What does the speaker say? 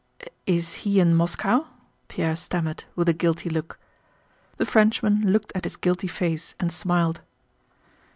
"Is he in Moscow?" Pierre stammered with a guilty look. The Frenchman looked at his guilty face and smiled.